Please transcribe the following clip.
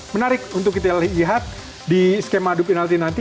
menarik untuk kita lihat di skema adu penalti nanti